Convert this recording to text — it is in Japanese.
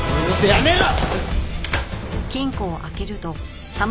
やめろ！